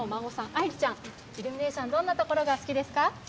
イルミネーション、どんなところが好きですか。